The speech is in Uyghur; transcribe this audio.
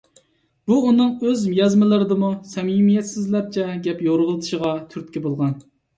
بۇ ئۇنىڭ ئۆز يازمىلىرىدىمۇ سەمىمىيەتسىزلەرچە گەپ يورغىلىتىشىغا تۈرتكە بولغان.